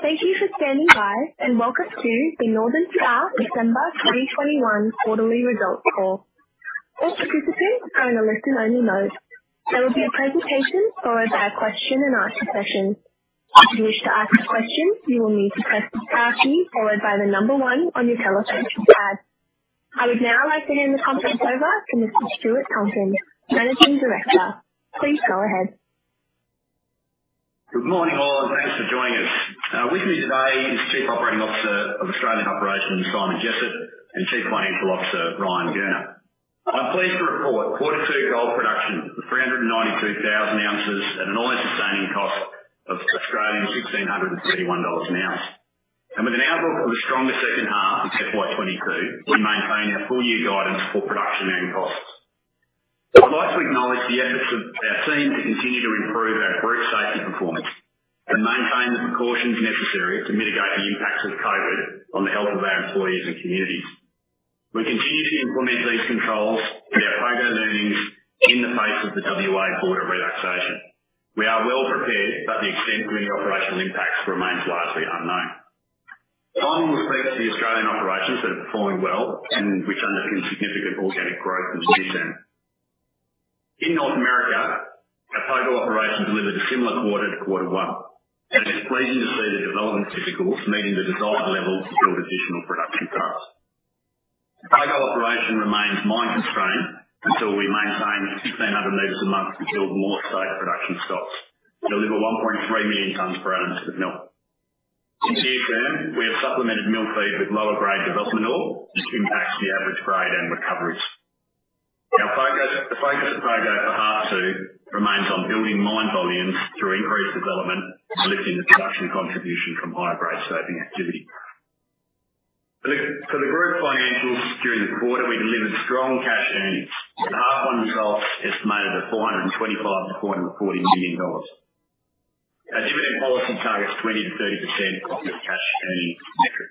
Thank you for standing by, and welcome to the Northern Star December 2021 quarterly results call. All participants are on a listen-only mode. There will be a presentation followed by a question-and-answer session. If you wish to ask a question, you will need to press the star key followed by the number one on your telephone keypad. I would now like to hand the conference over to Mr. Stuart Tonkin, Managing Director. Please go ahead. Good morning, all, and thanks for joining us. With me today is Chief Operating Officer of Australian Operations, Simon Jessop, and Chief Financial Officer, Ryan Gurner. I'm pleased to report quarter two gold production of 392,000 ounces at an all-in sustaining cost of 1,631 Australian dollars an ounce. With an outlook for the stronger second half of FY 2022, we maintain our full-year guidance for production and costs. I would like to acknowledge the efforts of our team to continue to improve our group safety performance and maintain the precautions necessary to mitigate the impacts of COVID on the health of our employees and communities. We continue to implement these controls with our Pogo learnings in the face of the WA border relaxation. We are well prepared, but the extent of any operational impacts remains largely unknown. Simon will speak to the Australian operations that are performing well and which underpin significant organic growth in the near term. In North America, our Pogo operation delivered a similar quarter-to-quarter one. It's pleasing to see the development schedules meeting the desired levels to build additional production capacity. Pogo operation remains mine constrained until we maintain 1,600 meters a month to build more safe production stopes to deliver 1.3 million tons per annum of mill. Since year-end, we have supplemented mill feed with lower-grade development ore, which impacts the average grade and recoveries. The focus at Pogo for half two remains on building mine volumes through increased development, lifting the production contribution from higher-grade stoping activity. For the group financials during the quarter, we delivered strong cash earnings with half one results estimated at 425 million-440 million dollars. Our dividend policy targets 20%-30% of net cash earnings per year.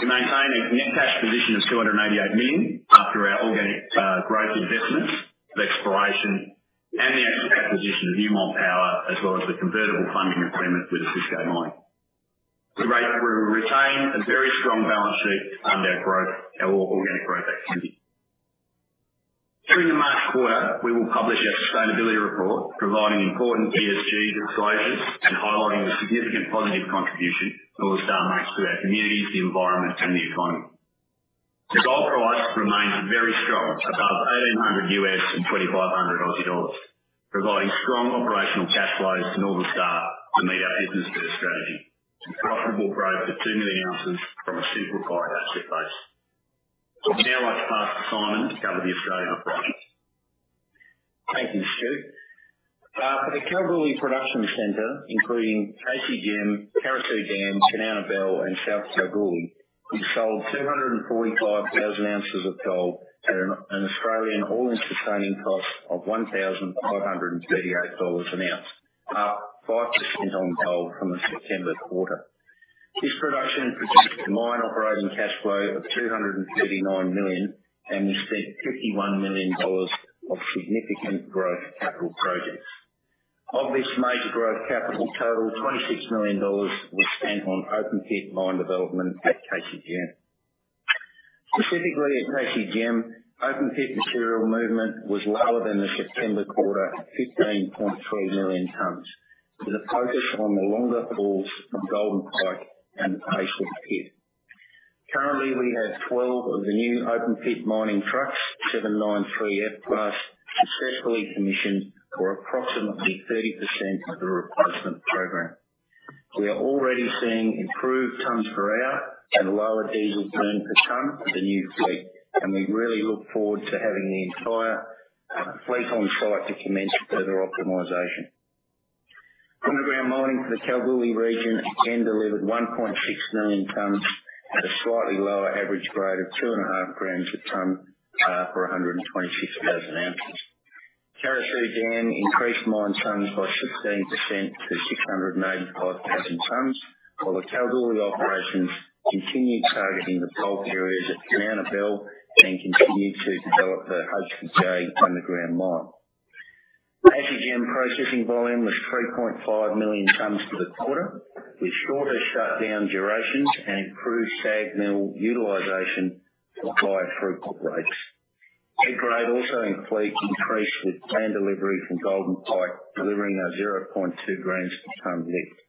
We maintain a net cash position of 288 million after our organic growth investments of exploration and the acquisition of Newmont Power, as well as the convertible funding agreement with Osisko Mining. We retain a very strong balance sheet to fund our growth, our organic growth activity. During the March quarter, we will publish our sustainability report, providing important ESG disclosures and highlighting the significant positive contribution Northern Star makes to our communities, the environment, and the economy. The gold price remains very strong above $1,800 and 2,500 Aussie dollars, providing strong operational cash flows to Northern Star to meet our business plan strategy to profitable growth of 2 million ounces from a simplified asset base. I would now like to pass to Simon to cover the Australian operations. Thank you, Stuart. For the Kalgoorlie Production Hub, including KCGM, Carosue Dam, Kanowna Belle, and South Kalgoorlie, we sold 745,000 ounces of gold at an Australian all-in sustaining cost of 1,538 dollars an ounce, up 5% on gold from the September quarter. This production produced a mine operating cash flow of AUD 239 million, and we spent AUD 51 million of significant growth capital projects. Of this major growth capital total, 26 million dollars was spent on open pit mine development at KCGM. Specifically at KCGM, open pit material movement was lower than the September quarter, 15.3 million tons, with a focus on the longer hauls from Golden Pike and the Paisley Pit. Currently, we have 12 of the new open pit mining trucks, 793F class, successfully commissioned for approximately 30% of the replacement program. We are already seeing improved tons per hour and lower diesel burned per ton with the new fleet, and we really look forward to having the entire fleet on site to commence further optimization. Underground mining for the Kalgoorlie region again delivered 1.6 million tons at a slightly lower average grade of 2.5 grams a ton for 126,000 ounces. Carosue Dam increased mined tons by 16% to 685,000 tons, while the Kalgoorlie operations continued targeting the bulk areas at Kanowna Belle and continued to develop the HBJ underground mine. KCGM processing volume was 3.5 million tons for the quarter, with shorter shutdown durations and improved SAG mill utilization for higher throughput rates. Head grade also increased, with planned delivery from Golden Pike, delivering a 0.2 grams per ton lift.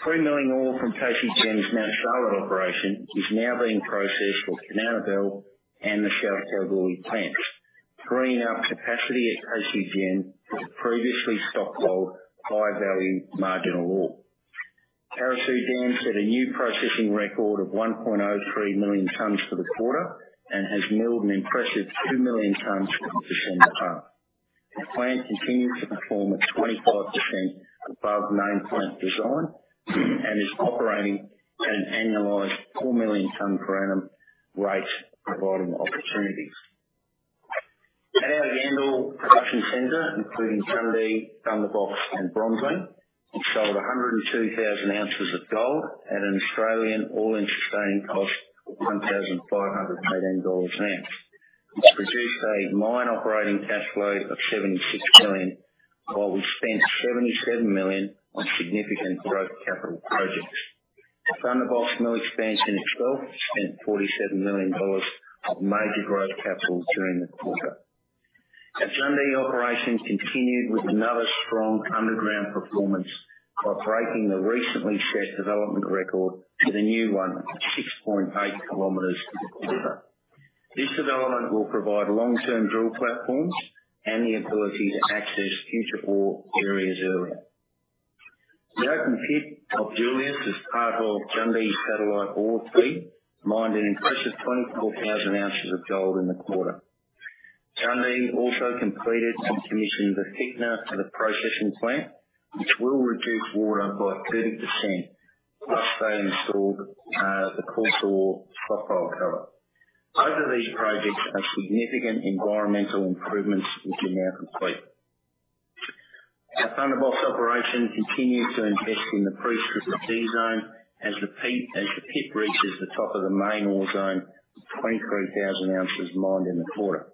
Pre-milling ore from KCGM's Mount Charlotte operation is now being processed for Kanowna Belle and the South Kalgoorlie plants, freeing up capacity at KCGM for previously stockpiled high-value marginal ore. Carosue Dam set a new processing record of 1.03 million tons for the quarter and has milled an impressive 2 million tons from December. The plant continues to perform at 25% above nameplate design and is operating at an annualized 4 million ton per annum rate, providing opportunities. At our Yandal Production Center, including Jundee, Thunderbox, and Bronze Wing, we sold 102,000 ounces of gold at an Australian all-in sustaining cost of AUD 1,518 an ounce. It produced a mine operating cash flow of AUD 76 million, while we spent AUD 77 million on significant growth capital projects. The Thunderbox mill expansion itself spent 47 million dollars of major growth capital during the quarter. Our Jundee operations continued with another strong underground performance by breaking the recently set development record to the new one at 6.8 km deeper. This development will provide long-term drill platforms and the ability to access future ore areas earlier. The open pit of Julius, as part of Jundee Satellite Ore 3, mined an impressive 24,000 ounces of gold in the quarter. Jundee also completed and commissioned the thickener and a processing plant, which will reduce water by 30% once they install the coastal stockpile cover. Both of these projects are significant environmental improvements, which are now complete. Our Thunderbox operation continued to invest in the pre-strip C zone as the pit reaches the top of the main ore zone, with 23,000 ounces mined in the quarter.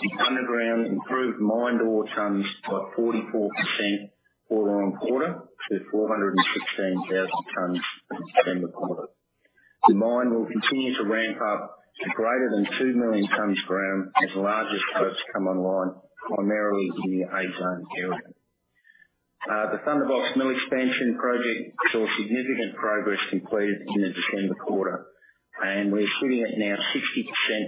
The underground improved mined ore tonnes by 44% quarter-on-quarter to 416,000 tonnes in December quarter. The mine will continue to ramp up to greater than 2 million tonnes ground as larger stopes come online, primarily in the A zone area. The Thunderbox mill expansion project saw significant progress completed in the December quarter, and we're sitting at now 60%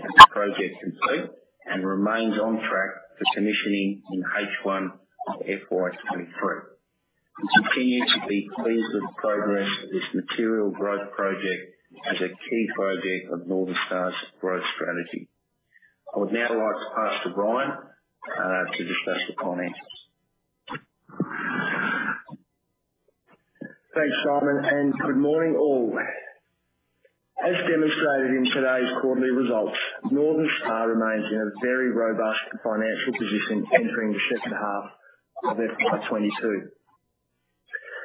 of the project complete and remains on track for commissioning in H1 of FY 2023. We continue to be pleased with the progress of this material growth project as a key project of Northern Star's growth strategy. I would now like to pass to Ryan to discuss the finances. Thanks, Simon, and good morning, all. As demonstrated in today's quarterly results, Northern Star remains in a very robust financial position entering the second half of FY 2022.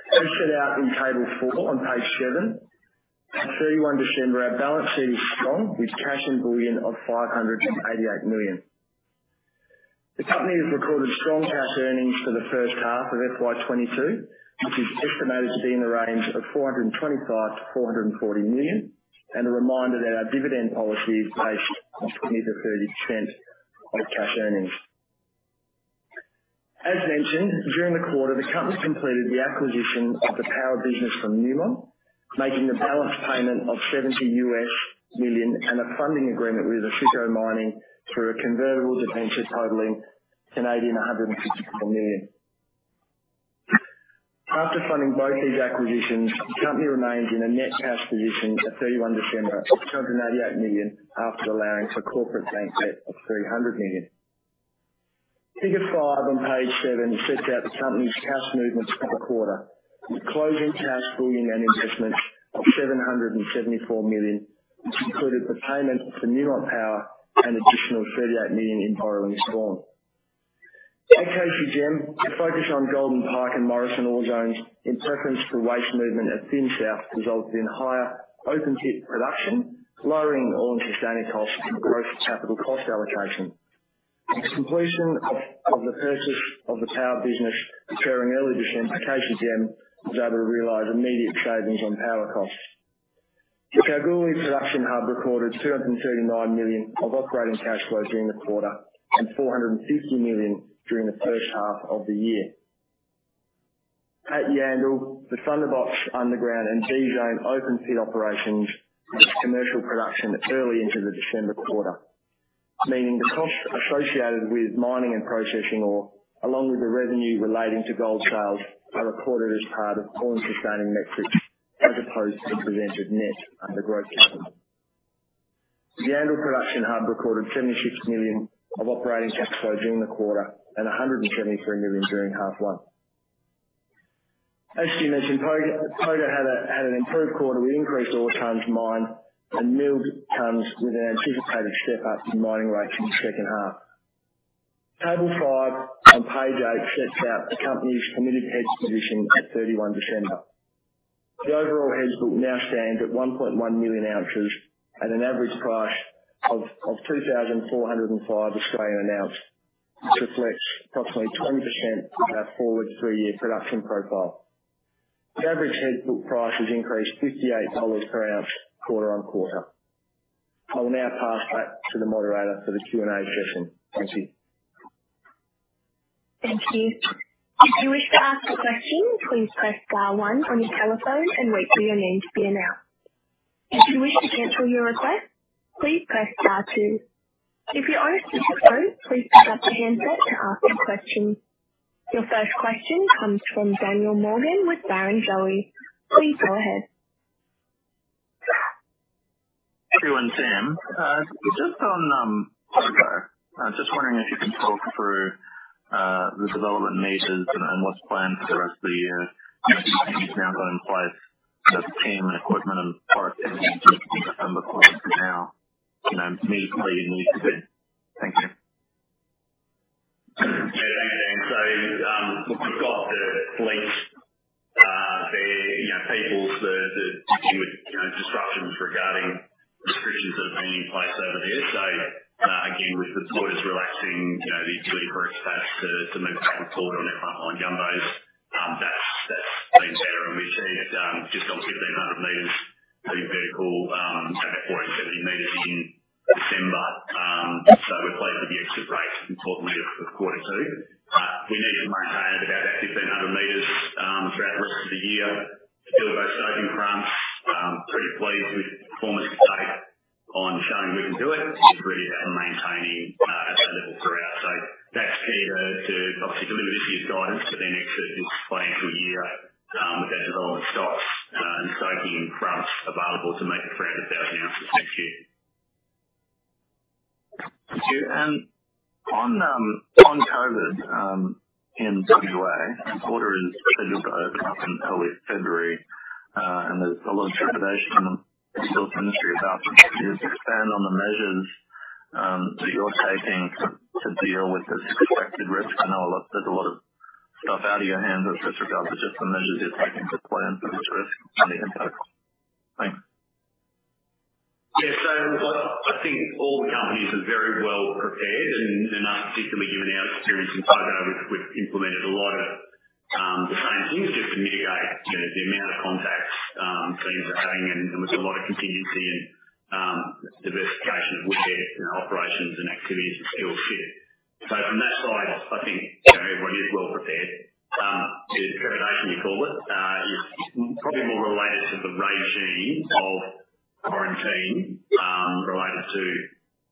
As set out in table 4 on page 7, at 31 December, our balance sheet is strong, with cash and bullion of 588 million. The company has recorded strong cash earnings for the first half of FY 2022, which is estimated to be in the range of 425 million-440 million, and a reminder that our dividend policy is based on 20%-30% of cash earnings. As mentioned, during the quarter, the company completed the acquisition of the power business from Newmont, making the balance payment of $70 million and a funding agreement with Osisko Mining through a convertible debenture totaling 164 million. After funding both these acquisitions, the company remains in a net cash position at 31 December of 288 million, after allowing for corporate bank debt of 300 million. Figure 5 on page 7 sets out the company's cash movements for the quarter, with closing cash, bullion and investments of AUD 774 million. This included the payment for Newmont Power and additional AUD 38 million in borrowing drawn. At KCGM, the focus on Golden Pike and Morrison ore zones in preference for waste movement at Fimiston South resulted in higher open pit production, lowering all-in sustaining costs and growth capital cost allocation. The completion of the purchase of the power business, ensuring early disconnection, KCGM was able to realize immediate savings on power costs. The Kalgoorlie Production Hub recorded 239 million of operating cash flow during the quarter and 450 million during the first half of the year. At Yandal, the Thunderbox underground and B zone open pit operations reached commercial production early into the December quarter, meaning the costs associated with mining and processing ore, along with the revenue relating to gold sales, are recorded as part of all-in sustaining metrics, as opposed to presented net under growth capital. The Yandal Production Hub recorded 76 million of operating cash flow during the quarter and 173 million during half one. As Stu mentioned, Pogo had an improved quarter with increased ore tonnes mined and milled tonnes, with an anticipated step up in mining rates in the second half. Table 5 on page 8 sets out the company's committed hedge position at 31 December. The overall hedge book now stands at 1.1 million ounces at an average price of 2,405 an ounce, which reflects approximately 20% of our forward three-year production profile. The average hedge book price has increased 58 dollars per ounce quarter-on-quarter. I will now pass back to the moderator for the Q&A session. Thank you. Your first question comes from Daniel Morgan with Barrenjoey. Please go ahead. Hello everyone there. Just on Pogo. I'm just wondering if you can talk through the development phases and what's planned for the rest of the year with the teams now put in place, the team and equipment and parts and since the December quarter for now, you know, maybe where you need to be. Thank you. Yeah. Thanks, Dan. Look, we've got the place. You know, disruptions regarding restrictions that have been in place over there. Again, with the borders relaxing, you know, the delivery aspects to move people on their frontline jobs, that's been better. We achieved just obviously 1,500 meters per vehicle, so 1,470 meters in December. We're pleased with the exit rate in 1,200 meters for quarter two. We need to maintain about that 1,500 meters throughout the rest of the year to deal with those stoping fronts. Pretty pleased with performance to date on showing we can do it and maintaining at that level throughout. That's key to obviously deliver this year's guidance, then exit this financial year with that development stope and stoping fronts available to make it through 1,000 ounces next year. Thank you. On COVID in WA, the border is scheduled to open up in early February. There's a lot of trepidation in the resource industry about this. Can you expand on the measures that you're taking to deal with this expected risk? I know there's a lot of stuff out of your hands with regards to just the measures you're taking to plan for this risk. Thanks. Yeah. I think all companies are very well prepared and us particularly given our experience in Pogo, we've implemented a lot of the same things just to mitigate, you know, the amount of contacts teams are having and with a lot of contingency and diversification of workshop, you know, operations and activities and skill set. From that side, I think, you know, everybody is well prepared. The trepidation you called it is probably more related to the regime of quarantine related to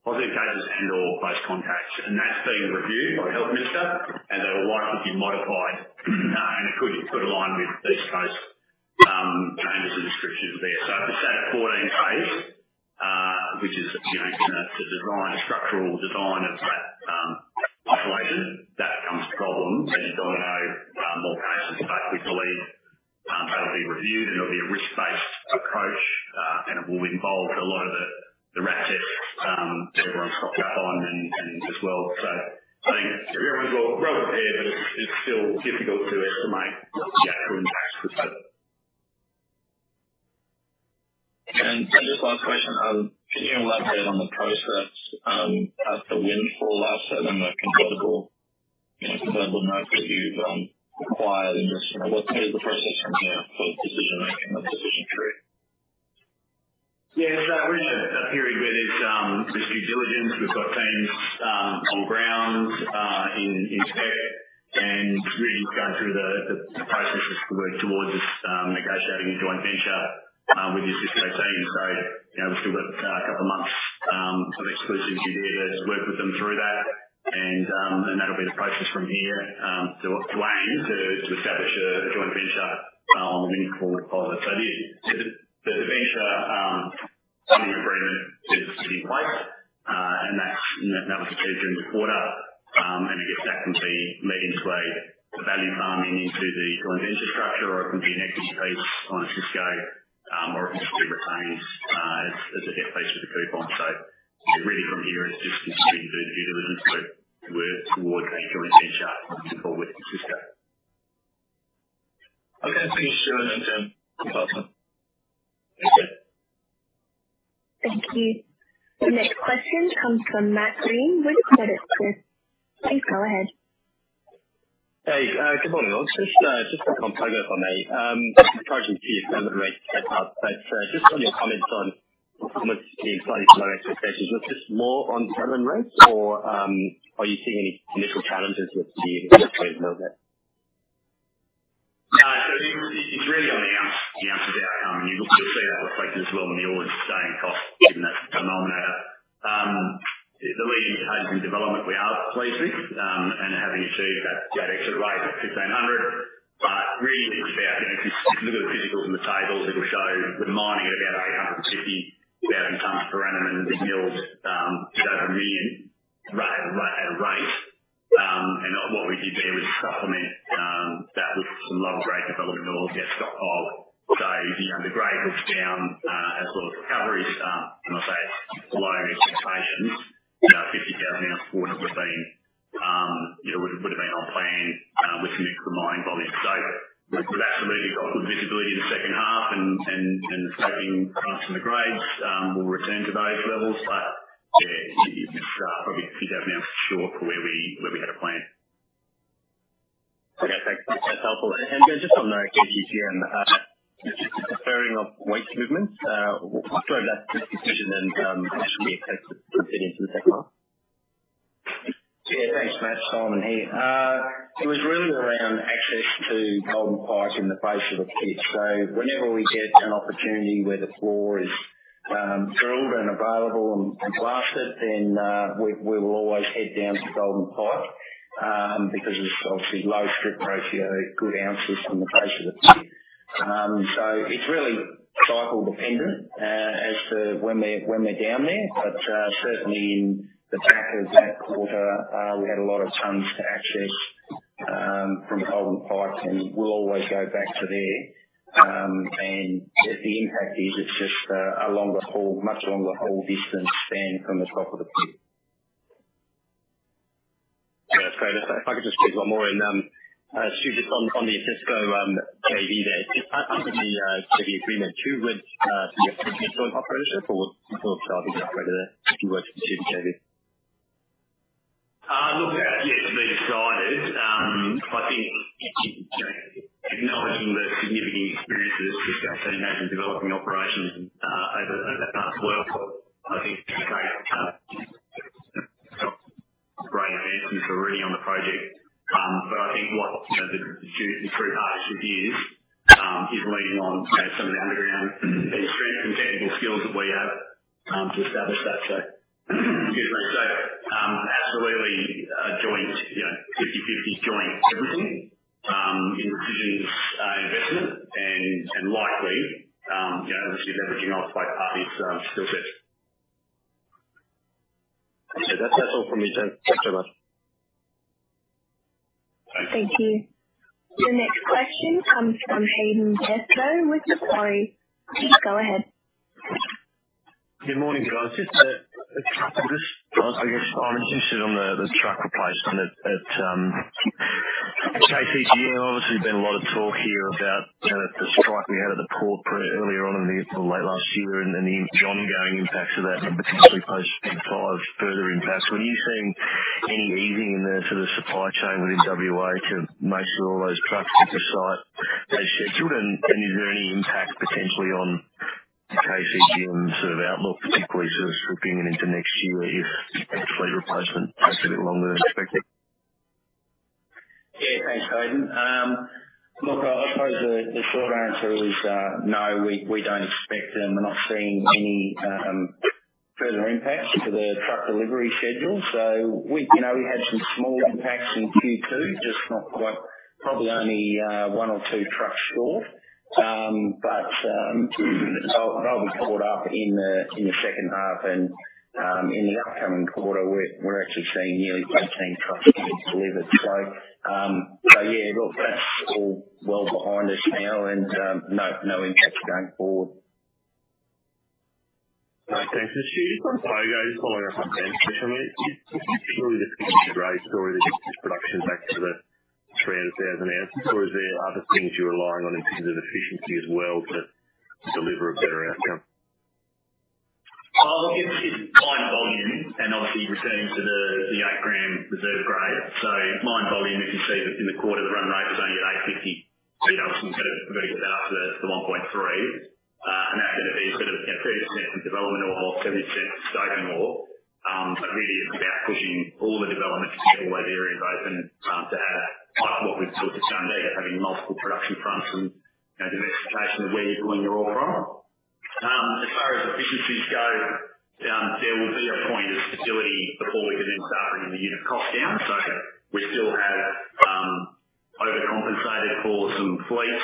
positive cases and or close contacts. That's being reviewed by the Health Minister, and it will likely be modified and it could align with East Coast, you know, and there's a description there. For, say, that 14 days, which is, you know, it's a design, a structural design of that isolation that comes with problems as you well know, more patience. We believe that'll be reviewed and it'll be a risk-based approach, and it will involve a lot of the RAT tests that everyone's hopped up on and as well. I think everyone's well prepared, but it's still difficult to estimate the actual impact to date. Just last question, can you elaborate on the process at the Windfall last year, the convertible, you know, convertible notes that you've acquired and just, you know, what is the process from here for decision making, the decision tree? Yeah. We're in a period where there's due diligence. We've got teams on the ground in Quebec and really going through the processes to work towards negotiating a joint venture with the Osisko team. You know, we've still got a couple of months of exclusivity there to work with them through that. That'll be the process from here to aim to establish a joint venture on the Windfall project. The venture funding agreement is in place, and that was achieved during the quarter. I guess that can be made into a farm-in to the joint venture structure, or it can be an equity piece on Osisko, or it can just be retained as a debt piece with a coupon. Really from here it's just continuing to do the due diligence work towards that joint venture with Osisko. Okay. Thank you, Stuart and Simon. Thank you. Thank you. The next question comes from Matt Greene with Credit Suisse. Please go ahead. Hey, good morning all. Just to confirm Pogo for me. Encouraging to see your settlement rates step up, but just on your comments on performance being slightly below expectations. Was this more on settlement rates or are you seeing any initial challenges with the exploratory movement? No, it's really on the ounce of our. You'll see that reflected as well in the all-in sustaining costs, given that's a denominator. The reason it's high from development, we are pleased with and having achieved that exit rate at 1,500. Really it's about, you know, if you look at the physicals in the tables, it'll show the mining at about 850,000 tonnes per annum. The mill's just over 1 million at a rate. What we did there was supplement that with some low-grade development ore to get stock of. You know, the grade was down as well as recovery, and I'd say below expectations. You know, 50,000 ounce quarter would have been on plan with the mix of the mine volume. We've absolutely got good visibility in the second half and expecting uplift from the grades will return to those levels. Yeah, it's probably a few thousand ounces short for where we had a plan. Okay. Thanks. That's helpful. Just on the KCGM deferring of waste movements, what drove that decision and what should we expect to see in the second half? Yeah, thanks, Matt. Simon here. It was really around access to Golden Pike in the face of the pit. Whenever we get an opportunity where the floor is drilled and available and blasted, then we will always head down to Golden Pike because it's obviously low strip ratio, good ounces from the face of the pit. It's really cycle dependent as to when we're down there. Certainly in the back of that quarter, we had a lot of tonnes to access from the Golden Pike, and we'll always go back there, and the impact is just a longer haul, much longer haul distance than from the top of the pit. Great. If I could just squeeze one more in, Stu, just on the Osisko JV there. Is that part of the agreement too with the joint operation or what sort of look, yeah, to be decided. I think acknowledging the significant experiences Osisko has had in developing operations over parts of the world, I think it's great advances already on the project. I think what you know the true partnership is leaning on you know some of the underground strengths and technical skills that we have to establish that. Excuse me. Absolutely, joint you know 50/50 joint everything in decisions, investment and likely you know obviously leveraging off both parties' skill sets. Yeah, that's all from me there. Thanks so much. Thank you. The next question comes from Hayden Bairstow with Macquarie. Please go ahead. Good morning, guys. Just a couple of things, I guess I'm interested in the truck replacement at KCG. Obviously been a lot of talk here about, you know, the strike we had at the port earlier on in the year or late last year and the ongoing impacts of that and potentially post five further impacts. Were you seeing any easing in the sort of supply chain within WA to make sure all those trucks get to site as scheduled? Is there any impact potentially on KCG and sort of outlook, particularly sort of swooping into next year if the fleet replacement takes a bit longer than expected? Yeah, thanks, Hayden. Look, I suppose the short answer is no, we don't expect and we're not seeing any further impacts to the truck delivery schedule. We you know had some small impacts in Q2, just not quite, probably only one or two trucks short. But they'll be caught up in the second half. In the upcoming quarter, we're actually seeing nearly 18 trucks being delivered. Yeah. Look, that's all well behind us now and no impacts going forward. All right, thanks. Stu, just on Pogo, just following up on Dan's question. I mean, is purely this gonna be a grade story, this production back to the 300,000 ounces, or is there other things you're relying on in terms of efficiency as well to deliver a better outcome? Oh, look, it's mine volume and obviously returning to the 8-gram reserve grade. Mine volume, as you see that in the quarter, the run rate was only at 850. You know, obviously we need to get that up to the 1.3. That's gonna be a bit of a 10% development or 70% stope and ore. Really it's about pushing all the developments to get all those areas open, to have what we've sort of shown there, having multiple production fronts and, you know, diversification of where you're pulling your ore from. As far as efficiencies go, there will be a point of stability before we can then start bringing the unit cost down. We still have overcompensated for some fleet,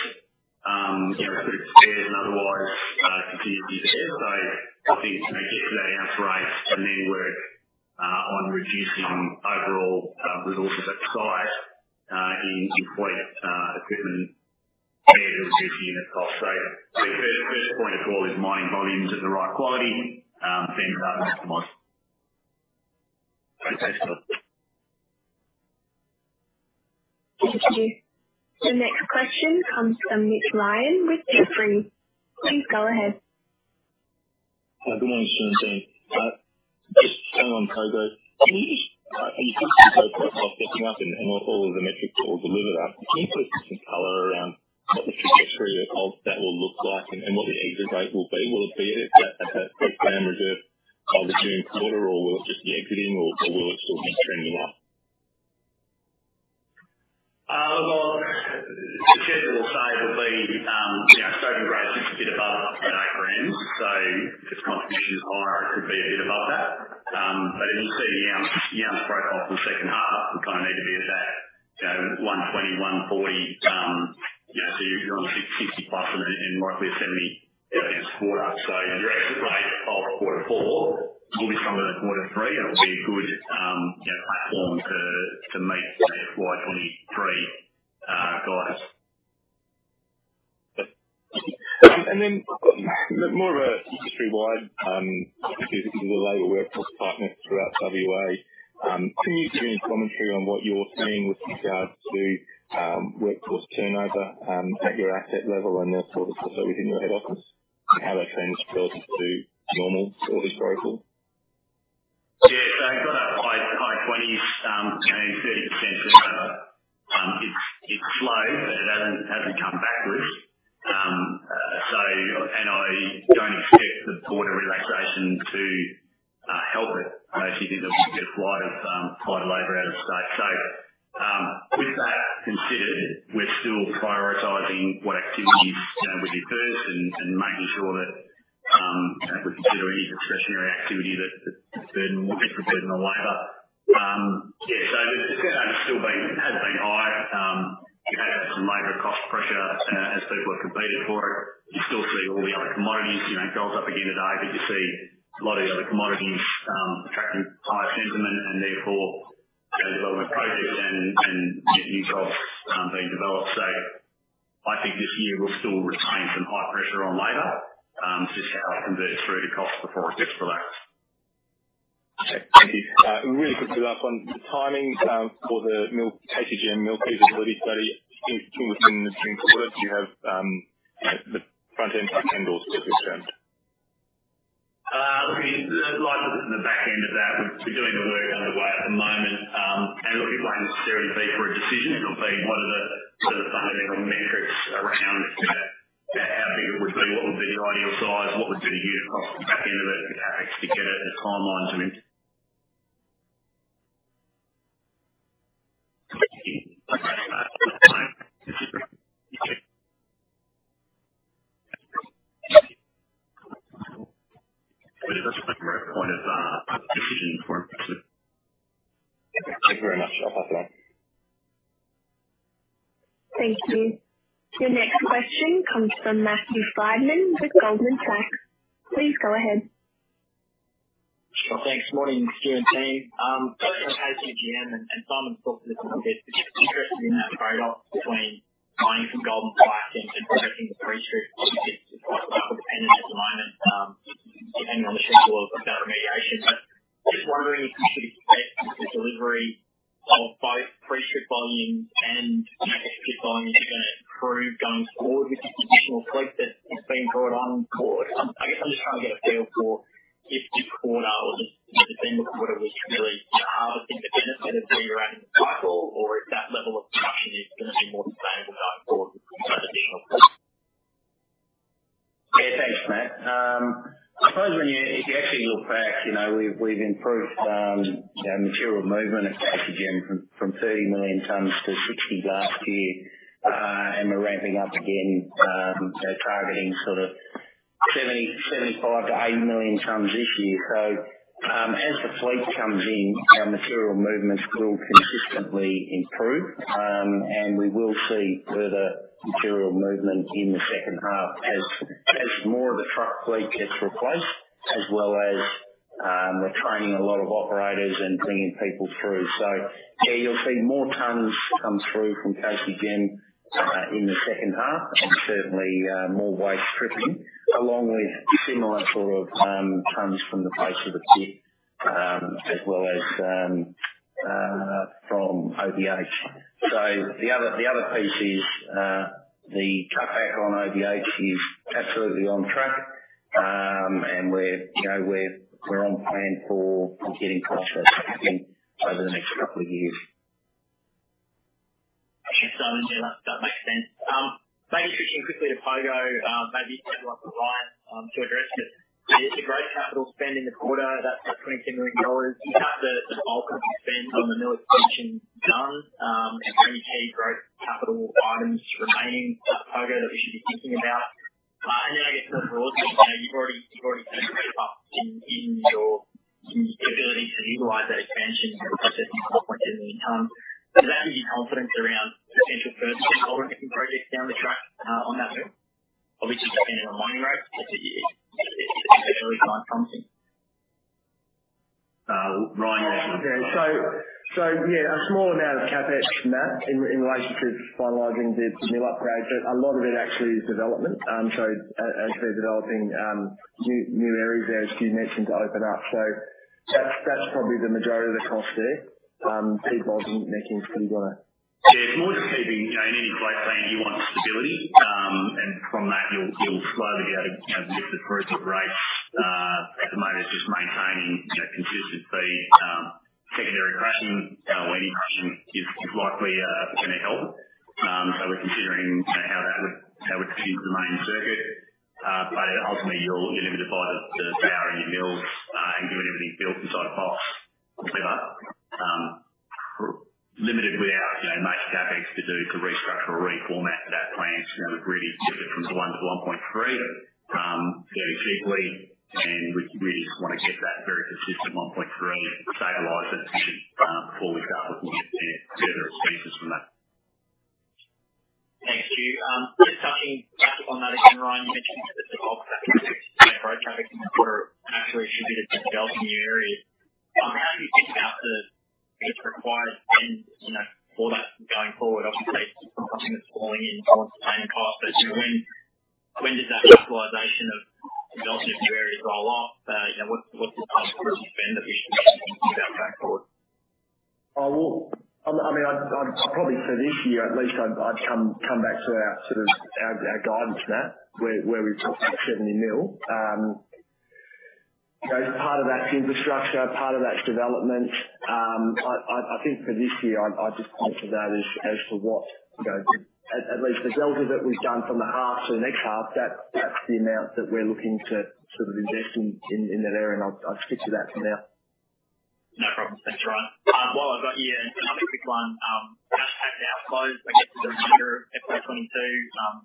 you know, a bit of spares and otherwise continued. Thank you. The next question comes from Mitch Ryan with Jefferies. Please go ahead. Hi. Good morning, Stu and team. Just staying on Pogo. Can you on the up and all of the metrics that were delivered up, can you put some color around what the trajectory of that will look like and what the exit rate will be? Will it be at that 8 gram reserve of the June quarter, or will it just be exiting, or will it sort of trend line? Well, the schedule will say it'll be, you know, stope grade, just a bit above that 8 grams. So its contribution is higher. It could be a bit above that. But as you see, the ounce broke off in the second half. We kind of need to be at that, you know, 120, 140, you know, so you're on 60 plus and then likely a 70, you know, this quarter. So your exit rate of quarter four will be stronger than quarter three, and it will be a good, you know, platform to meet FY 2023, guys. More of an industry-wide, because you've got a labor workforce partner throughout WA. Can you give any commentary on what you're seeing with regards to workforce turnover at your asset level and then sort of also within your head office and how that's changed relative to normal or historical? Yeah. I've got high 20s, you know, 30% turnover. It's slowed, but it hasn't come backwards. I don't expect the border relaxation to help it. I actually think there'll be a flight of high labor out of state. With that considered, we're still prioritizing what activities, you know, we do first and making sure that, you know, if we're considering any discretionary activity, that will get the burden of labor. Yeah. The turnover has been high. You have had some labor cost pressure as people have competed for it. You still see all the other commodities, you know, gold's up again today, but you see a lot of the other commodities attracting higher sentiment and therefore, you know, development projects and new jobs being developed. I think this year we'll still retain some high pressure on labor to see how that converts through to cost before it gets relaxed. Okay, thank you. Really quickly, last one. The timing for the mill, KCGM mill feasibility study in between the quarters, you have, you know, the front-end truck haulage with this term. Look, we like to look at the back end of that. We're doing the work on the way at the moment. It won't necessarily be for a decision. It'll be more of a sort of fundamental metrics around it to, you know, how big it would be, what would be the ideal size, what would be the unit cost at the back end of it, the CapEx to get it, the timelines, I mean. Thank you. Okay. Is this a point of decision for investment? Thank you very much. I'll pass you on. Thank you. The next question comes from Matthew Frydman with Goldman Sachs. Please go ahead. Sure thing. Morning, Stuart and team. In the case of KCGM, and Simon spoke to this a little bit, interested in that trade-off between buying some gold supply and progressing the free strip which is quite well contained at the moment, depending on the treatment of that remediation. Just wondering if you could expect the delivery of both free strip volumes and Yeah, thanks, Matt. I suppose when you, if you actually look back, you know, we've improved our material movement at KCGM from 30 million tons to 60 last year. We're ramping up again, you know, targeting sort of 70, 75 million-80 million tons this year. As the fleet comes in, our material movements will consistently improve. We will see further material movement in the second half as more of the truck fleet gets replaced, as well as we're training a lot of operators and bringing people through. Yeah, you'll see more tons come through from KCGM in the second half, and certainly more waste stripping, along with similar sort of tons from the face of the pit, as well as from OBH. The other piece is the cutback on OBH is absolutely on track. We're, you know, on plan for getting cost over the next couple of years. Thanks, Simon. Yeah, that makes sense. Maybe switching quickly to Pogo, maybe if you have someone on the line to address it. The great capital spend in the quarter, that's up 22 million dollars. You have the bulk of the spend on the mill expansion done. Any key growth capital items remaining for Pogo that we should be thinking about? And then I guess the broad piece, you know, you've already kind of traded up in your ability to utilize that expansion, processing more tons. Does that give you confidence around potential further development projects down the track on that front? Obviously, depending on the mining rates, it's certainly something. Ryan? Yeah, a small amount of CapEx, Matt, in relation to finalizing the mill upgrade, but a lot of it actually is development. As we're developing new areas there, as Stu mentioned, to open up. That's probably the majority of the cost there. Pete Bolger, I think, is probably gonna- It's more just keeping, you know, in any plan you want stability. From that you'll slowly be able to, you know, lift it through to a rate. At the moment it's just maintaining, you know, consistent feed. Secondary crushing is likely gonna help. We're considering how we fit into the main circuit. Ultimately you'll be dedicated to power your mills, and do everything built inside a box. We'll be limited with our, you know, major CapEx to restructure or reformat that plan to really tip it from 1-1.3 very cheaply. We just wanna get that very consistent 1.3 and stabilize it before we start looking at any further expenses from that. Thank you. Just touching back up on that again, Ryan, you mentioned that the bulk of that road traffic in the quarter actually should be the development in the area. How are you thinking about the required spend, you know, for that going forward? Obviously, it's something that's falling into the planning part. You know, when does that capitalization of development in the area roll off? You know, what's the type of spend that we should be thinking about going forward? I mean, I'd probably say this year, at least I'd come back to our guidance, Matt, where we've talked about 70 million. You know, part of that's infrastructure, part of that's development. I think for this year, I'd just point to that as to what, you know, at least the development that we've done from the half to the next half, that's the amount that we're looking to sort of invest in that area, and I'll stick to that for now. No problem. Thanks, Ryan. While I've got you, another quick one. Contract now closed, I guess, as of mid-year, FY 2022.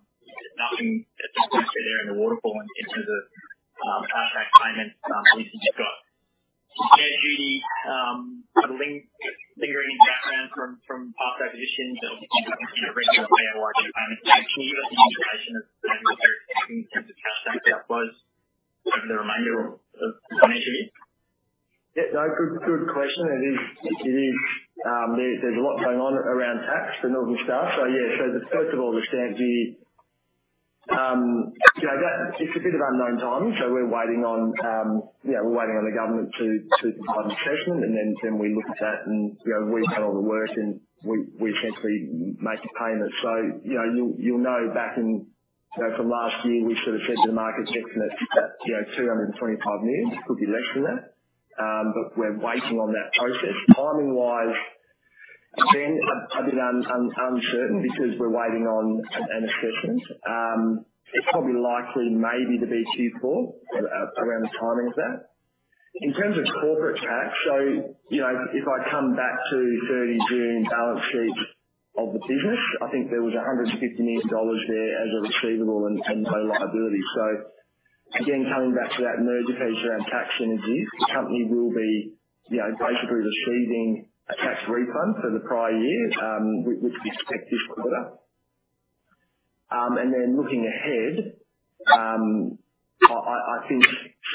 Nothing that's been through there in the waterfall in terms of contract payments at least that you've got. Stamp duty, are there lingering backlogs from past acquisitions that obviously you don't want to share why two payments. Can you give us an indication of what they're expecting in terms of timing for the remainder of the financial year? Yeah, no, good question. It is, there's a lot going on around tax for Northern Star. Yeah, so the first of all, the stamp duty, you know, that it's a bit of unknown time, so we're waiting on the government to provide assessment and then we look at that and, you know, we do all the work and we essentially make a payment. You know, you'll know back in from last year, we sort of said to the market expecting that, you know, 225 million, could be less than that, but we're waiting on that process. Timing wise, again, a bit uncertain because we're waiting on an assessment. It's probably likely maybe to be Q4 around the timing of that. In terms of corporate tax. You know, if I come back to 30 June balance sheet of the business, I think there was 150 million dollars there as a receivable and no liability. Again, coming back to that merger hedge around tax synergies, the company will be, you know, basically receiving a tax refund for the prior year, which we expect this quarter. And then looking ahead, I think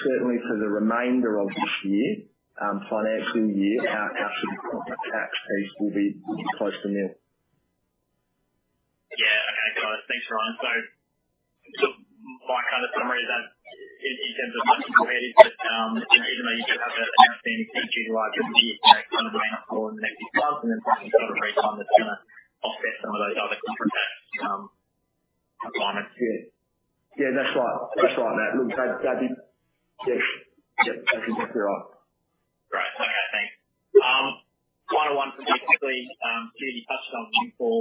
certainly for the remainder of this year, financial year, our cash and corporate tax base will be close to nil. Yeah. Okay, got it. Thanks, Ryan. My kind of summary of that in terms of tax competitive, but even though you do have that outstanding due to IP kind of paying up for the next six months, and then tax refund that's gonna offset some of those other corporate tax alignments. Yeah. That's right. That'd be yes. I think that's right. Great. Okay, thanks. Final one for me quickly. Stuart Tonkin, you touched on Windfall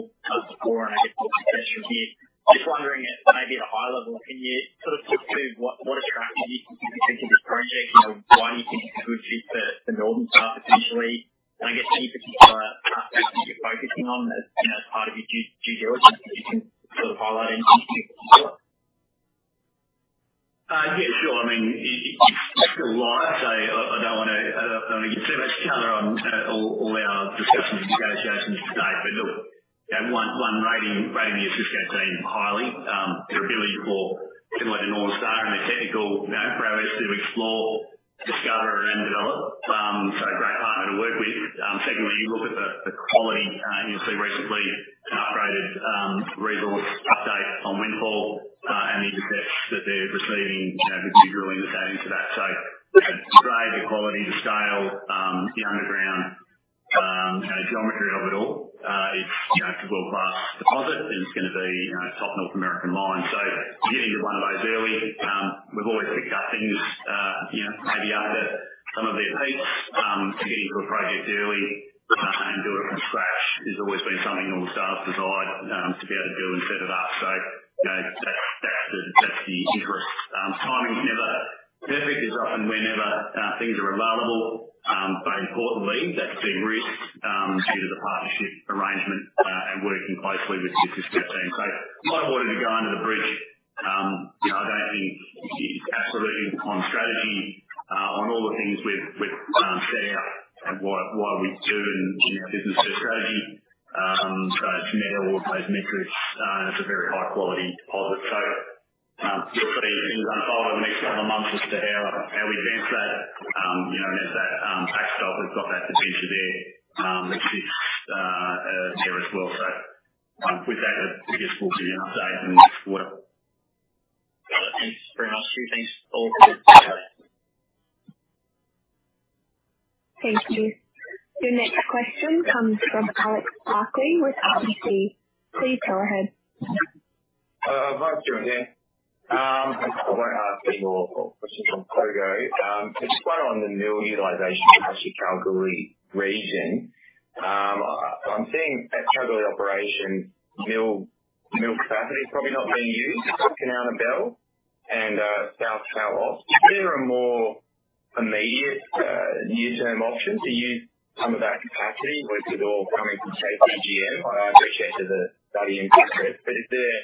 before and I guess the potential here. Just wondering at maybe at a high level, can you sort of talk through what attracts you to this project? You know, why do you think it's a good fit for Northern Star potentially? And I guess any particular aspects you're focusing on as, you know, as part of your due diligence that you can sort of highlight anything specific for? Yeah, sure. I mean, it fits the lot, so I don't wanna give too much color on all our discussions and negotiations to date. Look, you know, one rating the Osisko team highly, their ability for people like Northern Star and the technical know-how for us to explore, discover and develop. Great partner to work with. Secondly, you look at the quality, you'll see recently an upgraded resource update on Windfall, and the assets that they're receiving, you know, could be really exciting to that. The grade, the quality, the scale, the underground, you know, geometry of it all, it's, you know, it's a world-class deposit and it's gonna be, you know, a top North American mine. Getting to one of those early, we've always picked up things, you know, maybe after some of their peaks. To get into a project early, and build it from scratch has always been something Northern Star has desired, to be able to do and set it up. You know, that's the interest. Timing is never perfect. It's often whenever things are available. Importantly that's been risked, due to the partnership arrangement, and working closely with the Osisko team. A lot of water to go under the bridge. You know, I don't think it's absolutely on strategy, on all the things we've set out and what we do in our business risk strategy. It's met all of those metrics, and it's a very high quality deposit. We'll see as things unfold in the next couple of months as to how we advance that. You know, as that backstop, we've got that potential there, which is there as well. With that, we just look to the update and support it. Got it. Thanks very much, Stu. Thanks all. Thank you. Your next question comes from Alex Barkley with RBC. Please go ahead. Hi, Alex here. I wanna ask a few more questions on KCGM. Just one on the mill utilization across the Kalgoorlie region. I'm seeing at Kalgoorlie operations, mill capacity is probably not being used at Kanowna and South Kalgoorlie. Is there a more immediate near-term option to use some of that capacity with it all coming from KCGM? I appreciate there's a study in progress, but is there,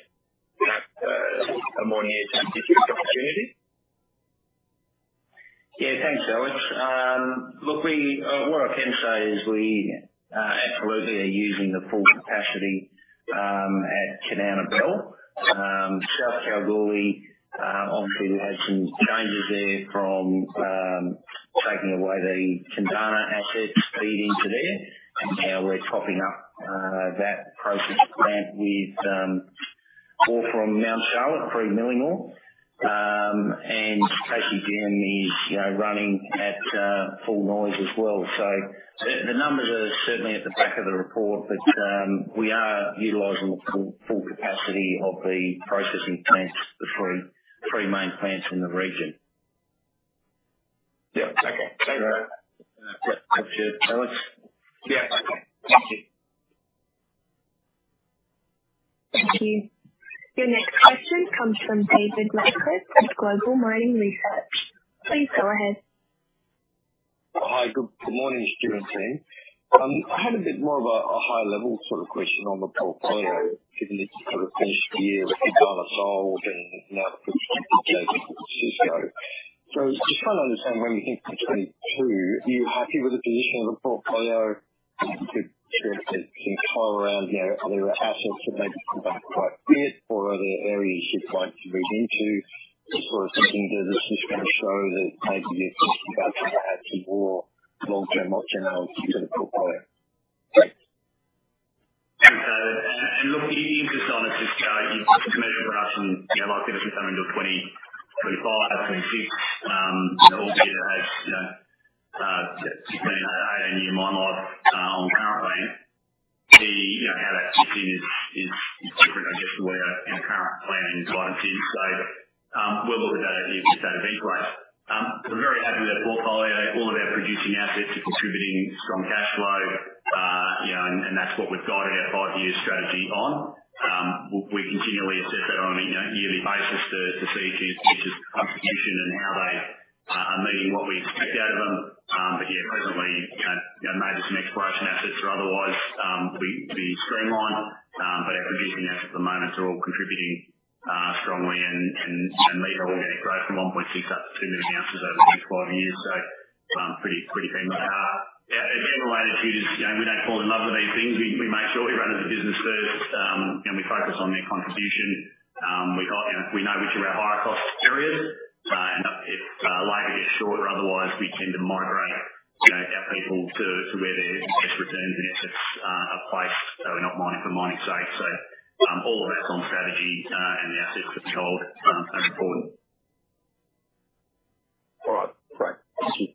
you know, a more near-term specific opportunity? Yeah, thanks, Alex. Look, what I can say is we absolutely are using the full capacity at Kanmantoo. South Kalgoorlie, obviously we've had some changes there from taking away the Kundana asset feed into there. Now we're topping up that processing plant with ore from Mount Charlotte pre-milling ore. KCGM is, you know, running at full noise as well. The numbers are certainly at the back of the report, but we are utilizing the full capacity of the processing plants, the three main plants in the region. Yeah. Okay. Over. Yep. That's it, Alex. Yeah. Okay. Thank you. Thank you. Your next question comes from David Radclyffe with Global Mining Research. Please go ahead. Hi. Good morning, Stuart and team. I had a bit more of a high level sort of question on the portfolio, given it's kind of finished the year with Kundana sold and now the partnership with Osisko. Just trying to understand when you hit 2022, are you happy with the position of the portfolio? To have some control around, you know, there are assets that maybe come back quite a bit or other areas you'd like to move into. What sort of thinking does this kind of show that maybe the thinking about how to add to more long-term opportunities in the portfolio? Look, the interest on it just, you've got the commercial operation, you know, likely to come into 2025, 2026. Albeit it has, you know, between 8 and 10-year mine life on current plans. The, you know, how that fits in is different, I guess, to where our current planning insight is. We'll look at that as that eventuates. We're very happy with our portfolio. All of our producing assets are contributing strong cash flow, you know, and that's what we've got our five-year strategy on. We continually assess that on a yearly basis to see if each's contribution and how they are meeting what we expect out of them. Yeah, presently, you know, maybe some exploration assets or otherwise, we streamline. Our producing assets at the moment are all contributing strongly and leading organic growth from 1.6 up to 2 million ounces over the next five years. Pretty keen. Again, the way that you just, you know, we don't fall in love with these things. We make sure we run as a business first, and we focus on their contribution. We know which are our higher cost periods, and if labor gets short or otherwise, we tend to migrate, you know, our people to where the best returns and assets are placed, so we're not mining for mining's sake. All of that's on strategy, and the assets that we hold as important. All right, great. Thank you.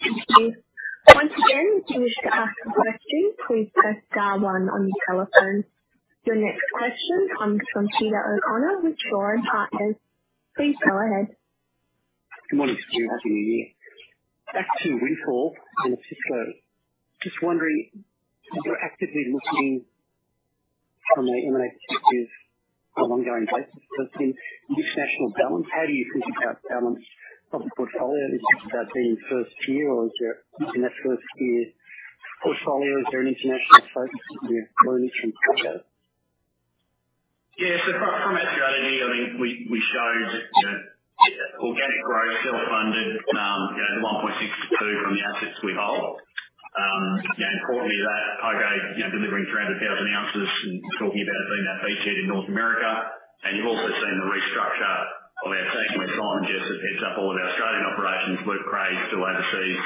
Thank you. Once again, if you wish to ask a question, please press star one on your telephone. Your next question comes from Peter O'Connor with Shaw and Partners. Please go ahead. Good morning to you. Happy New Year. Back to Windfall and Francisco. Just wondering if you're actively looking from a M&A perspective on an ongoing basis. It's been international balance. How do you think about balance of the portfolio? Is this about being first tier or is your international first tier portfolio? Is there an international focus you want to consider? Yeah. From our strategy, I mean, we showed, you know, organic growth, self-funded, you know, the 1.6-2 from the assets we hold. Importantly that Pogo, you know, delivering 300,000 ounces and talking about being that feature in North America. You've also seen the restructure of our team where Simon Jessop heads up all of our Australian operations. Luke Creagh still oversees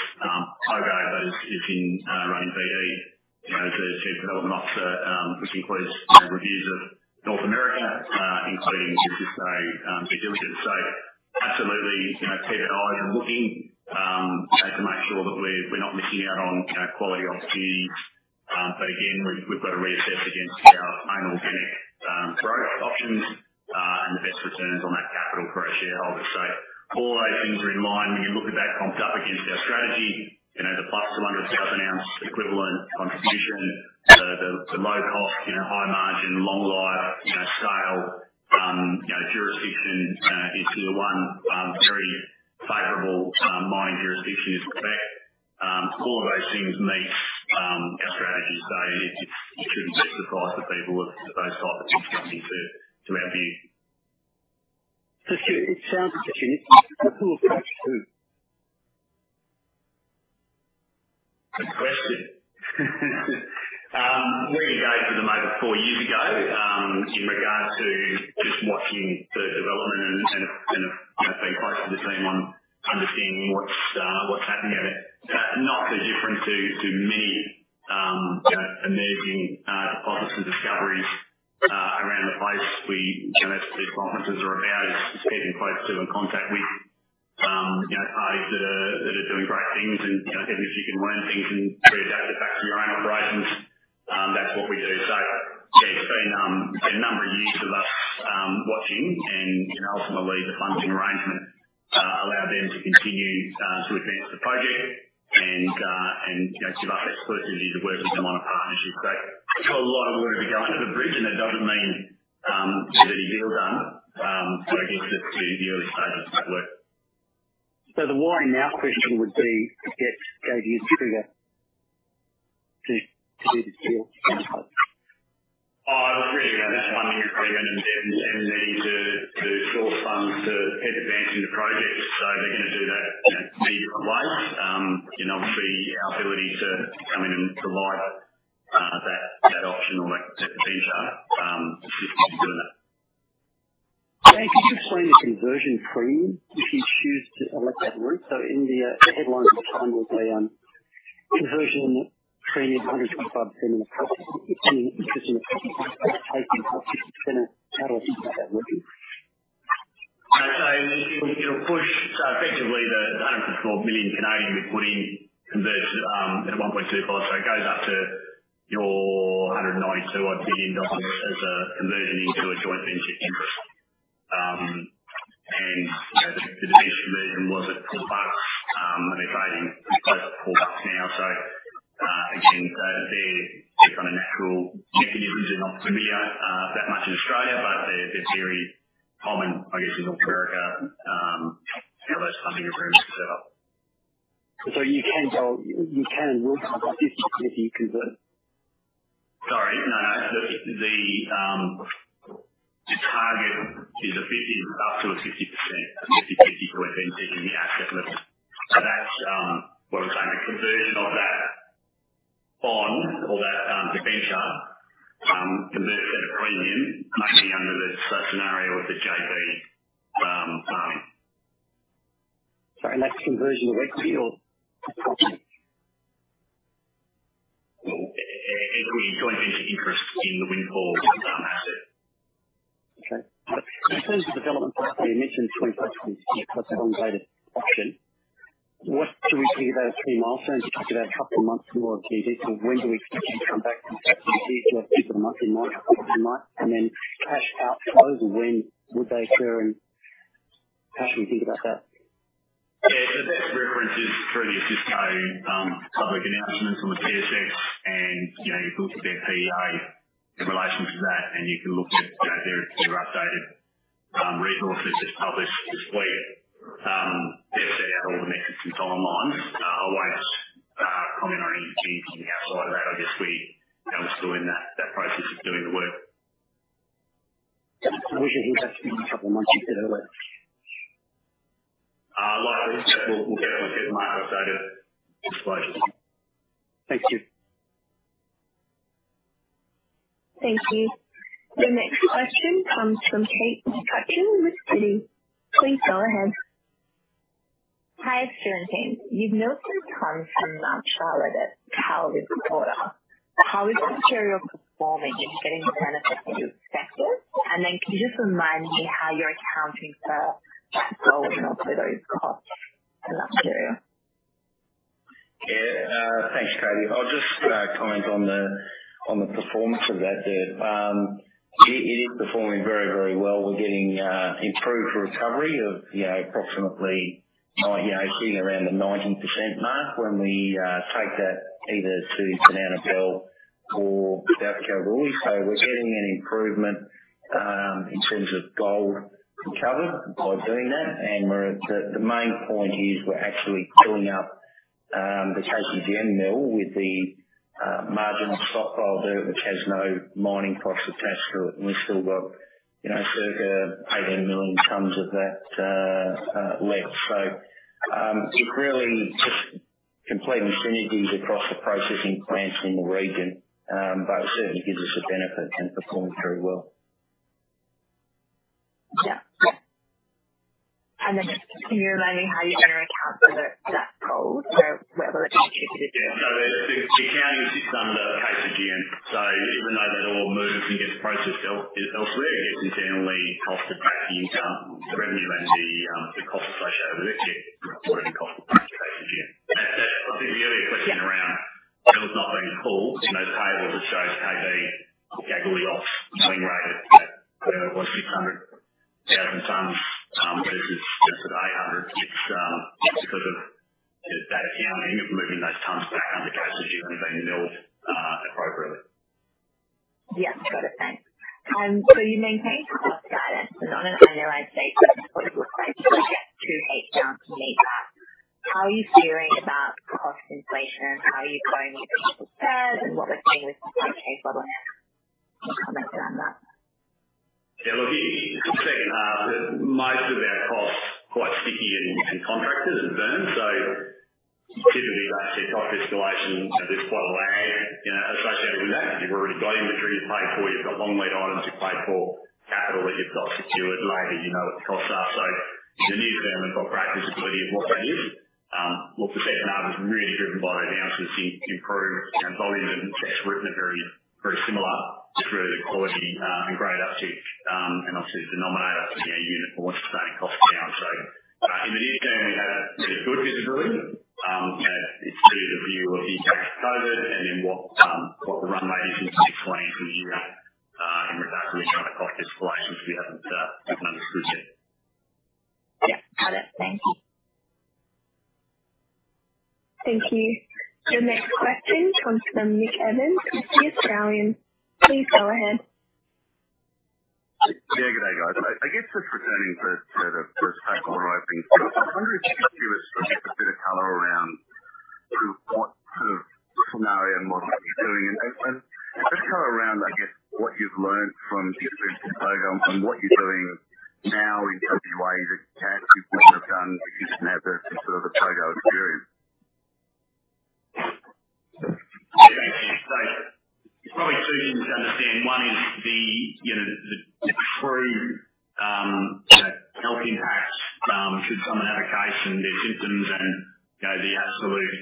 Pogo, but is in running BD, you know, as a Chief Development Officer, which includes, you know, reviews of North America, including this as a due diligence. Absolutely, you know, keep an eye on looking, you know, to make sure that we're not missing out on, you know, quality opportunities. Again, we've got to reassess against our own organic growth options and the best returns on that capital for our shareholders. All those things are in line. When you look at that comped up against our strategy, you know, the +200,000 ounce equivalent contribution, the low cost, you know, high margin, long life, you know, scale, you know, jurisdiction, you know, in the one very favorable mining jurisdiction is Quebec. All of those things meet our strategy. It shouldn't be a surprise for people with those types of things coming to our view. Stu, it sounds as if you need to pull the trigger too. Good question. We engaged with them over four years ago, in regards to just watching the development and, you know, being close to the team on understanding what's happening there. Not so different to many, you know, emerging deposits and discoveries around the place. We, you know, as chief officers are about keeping close contact with, you know, parties that are doing great things and, you know, seeing if you can learn things and readapt it back to your own operations. That's what we do. Yeah, it's been a number of years of us watching and, you know, ultimately the funding arrangement allowed them to continue to advance the project and, you know, give us best certainty to work with them on a partnership. It's a lot of work to go under the bridge, and that doesn't mean, you know, any deal done. It is just the early stages of that work. The why now question would be to get ADU through that to do this deal? Oh, really about that funding requirement and them needing to source funds to keep advancing the project. They're gonna do that, you know, many different ways. You know, obviously our ability to come in and provide that option or that feature is doing that. Could you explain the conversion premium if you choose to elect that route? In the headlines at the time was a conversion premium 125%. If any interest in the public taking up to 50%, how does that work? It'll push effectively the 164 million we put in converts at 1.25. It goes up to your 192-odd million AUD as a conversion into a joint venture interest. You know, the main reason was that Aussie bucks have been trading pretty close to Aussie bucks now. Again, they're kind of natural hedge conditions and not familiar that much in Australia, but they're very common, I guess, in North America. You know, that's something you're very much set up. You can walk if you convert? Sorry. No, the target is 50%-60%, 50/50 joint venture in the asset list. That's what I'm saying, the conversion of that bond or that debenture converts at a premium to the money under the scenario with the JV. Sorry, that's conversion to equity or? Well, equity joint venture interest in the Windfall asset. Okay. In terms of development, you mentioned 25% plus elongated option. What should we think about a key milestone? You talked about a couple of months for more due diligence. When do we expect you to come back from that due diligence? Is it monthly? Cash out closing, when would they occur, and how should we think about that? Yeah. The best reference is through the existing public announcements on the TSX. You know, you can look at their PEA in relation to that, and you can look at, you know, their updated resource that's just published this week. They've set out all the metrics and timelines. I won't comment on anything from the outside of that. I guess we, you know, we're still in that process of doing the work. When should we expect in a couple of months you said earlier? Like I said, we'll get them into the market update disclosures. Thank you. Thank you. The next question comes from Kate McCutcheon with Citi. Please go ahead. Hi, Stuart and team. You've noted some tonnes from Mount Charlotte in this quarter. How is this material performing? It's getting the benefits that you expected. Can you just remind me how you're accounting for gold and also those costs in that material? Yeah. Thanks, Katie. I'll just comment on the performance of that there. It is performing very, very well. We're getting improved recovery of, you know, approximately 9%, you know, sitting around the 19% mark when we take that either to Kanowna Belle or South Kalgoorlie. We're getting an improvement in terms of gold recovered by doing that. The main point here is we're actually filling up the SAG mill with the marginal stockpile there, which has no mining costs attached to it. We've still got, you know, circa 18 million tons of that left. It really just complements synergies across the processing plants in the region. It certainly gives us a benefit and performs very well. Yeah. Just can you remind me how you're gonna account for the, that gold? Where will it be No. The accounting sits under KCGM. Even though that all moves and gets processed elsewhere, it gets internally costed back to the income, the revenue and the costs associated with it. It'll be costed back to KCGM. I think the earlier question around bills not being pulled. In those tables, it shows KB, Kalgoorlie Ops mining rate at whatever it was, 600,000 tons versus just at 800,000. It's because of that accounting of moving those tons back under KCGM mill appropriately. Yes. Got it. Thanks. You maintained cost guidance. On an annualized basis, what does it look like to get to eight down to meter? How are you feeling about cost inflation, how you're going with the cost curve, and what we're seeing with like pay problem? Yeah. Look, if you look at the second half, most of our costs quite sticky and contracted and firm. Typically, like cost escalation, there's quite a lag, you know, associated with that because you've already got inventory you've paid for, you've got long lead items you've paid for, capital that you've got secured. Maybe you know what the costs are. In the near term, we've got great visibility of what that is. Look, the second half is really driven by those ounces improved and volume that Tess written are very, very similar just through the quality, and grade uptick, and obviously the denominator for our unit costs, same cost down. In the near term, we have really good visibility. You know, it's through the review of what you get exposed, and then what the runway is in 2020 from here out, in regards to any kind of cost escalation. We have good understanding. Yeah, got it. Thank you. Thank you. The next question comes from Nick Evans with The Australian. Please go ahead. Yeah. Good day, guys. I guess just returning to the first pack on what I've been through. I wonder if you could give us just a bit of color around what sort of scenario model that you're doing. Just go around, I guess, what you've learned from the experience of Pogo and what you're doing now in terms of ways you couldn't have done if you just never had the Pogo experience. Yeah. Thanks. There's probably two things to understand. One is the you know the true health impacts should someone have a case and get symptoms and you know the absolute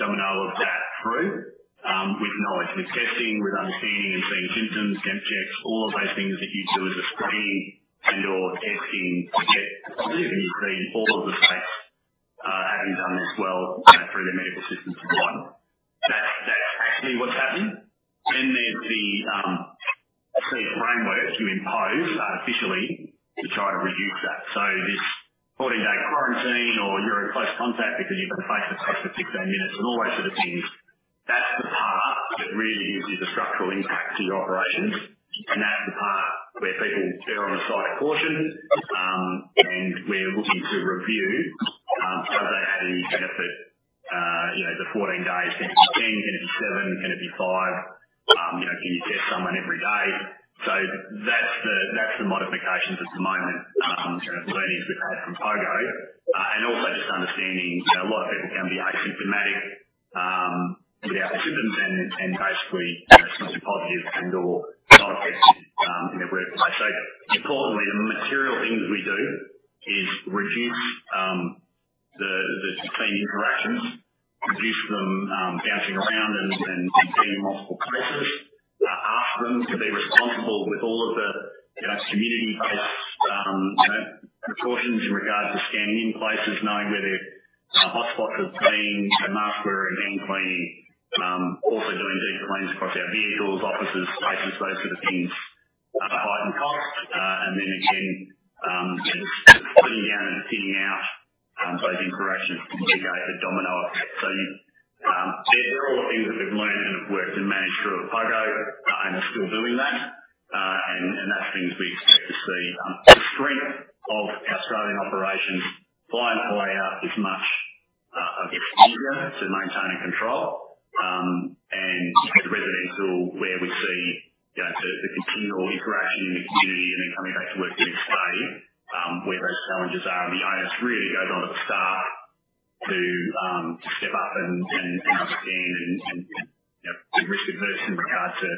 domino of that through with no effective testing with understanding and seeing symptoms temp checks all of those things that you do as a screening and/or testing to get positive. You've seen all of the states having done this well you know through their medical systems for one. That's actually what's happened. There's the sort of framework you impose artificially to try to reduce that. This 14-day quarantine or you're in close contact because you've been face-to-face for 16 minutes and all those sort of things that's the part that really gives you the structural impact to your operations. That's the part where people err on the side of caution, and we're looking to review how you benefit, you know, the 14 days? Is it gonna be 10? Is it gonna be 7? Is it gonna be 5? You know, can you test someone every day? That's the modifications at the moment, kind of learnings we've had from Pogo, and also just understanding, you know, a lot of people can be asymptomatic, without the symptoms and basically testing positive and/or not testing in their workplace. Importantly, the material things we do is reduce the sustained interactions, reduce them, bouncing around and being in multiple places, ask them to be responsible with all of the, you know, community-based, you know, precautions in regards to scanning in places, knowing where their hotspots have been, you know, mask wearing and cleaning. Also doing deep cleans across our vehicles, offices, spaces, those sort of things, hygiene and cost. Then again, you know, sitting down and thinning out those interactions to negate the domino effect. These are all things that we've learned and have worked and managed through at Pogo, and are still doing that. That's the things we expect to see, the strength of our Australian operations buy-in and roll-out as much of this year to maintain and control. With residents where we see, you know, so the continual interaction in the community and then coming back to work the next day, where those challenges are. The onus really goes on us at the start to step up and understand and, you know, be risk-averse in regards to,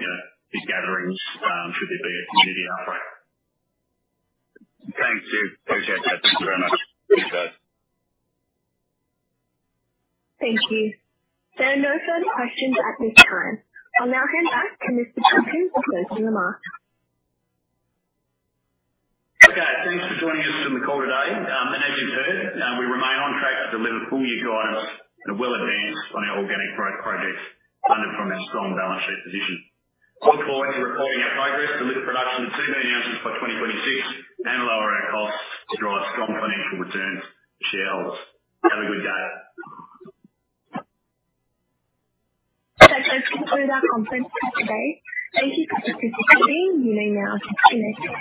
you know, big gatherings should there be a community outbreak. Thank you. Appreciate that. Thank you very much. Thanks, guys. Thank you. There are no further questions at this time. I'll now hand back to Mr. Tonkin for closing remarks. Okay. Thanks for joining us on the call today. As you've heard, we remain on track to deliver full-year guidance and are well advanced on our organic growth projects funded from our strong balance sheet position. Look forward to reporting our progress, deliver production to the announcements by 2026, and lower our costs to drive strong financial returns for shareholders. Have a good day. That concludes our conference call today. Thank you for participating. You may now disconnect.